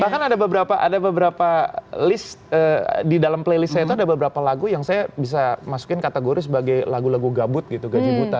bahkan ada beberapa list di dalam playlist saya itu ada beberapa lagu yang saya bisa masukin kategori sebagai lagu lagu gabut gitu gaji buta